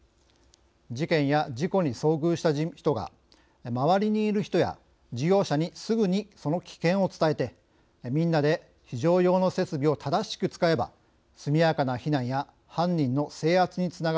事件や事故に遭遇した人が周りにいる人や事業者にすぐにその危険を伝えてみんなで非常用の設備を正しく使えば速やかな避難や犯人の制圧につながる可能性があります。